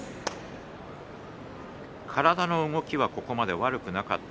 体の動きはここまで悪くなかった。